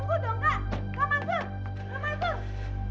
kak mansyur mau ke mana kak